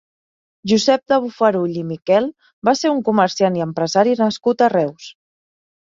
Josep de Bofarull i Miquel va ser un comerciant i empresari nascut a Reus.